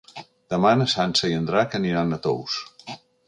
Demà na Sança i en Drac aniran a Tous.